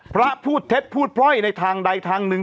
พระพูดเท็จพูดพร่อยในทางใดทางหนึ่ง